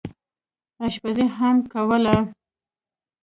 اشپزي هم کوله.